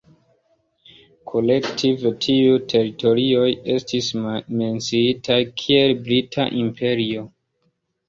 Kolektive, tiuj teritorioj estis menciitaj kiel Brita imperio.